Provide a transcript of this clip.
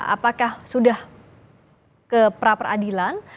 apakah sudah ke pra peradilan